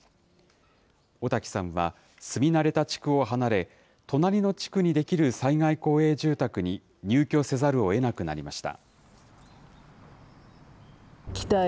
小滝さんは、住み慣れた地区を離れ、隣の地区に出来る災害公営住宅に入居せざるをえなくなりました。